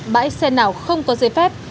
bãi xe nào không có giấy phép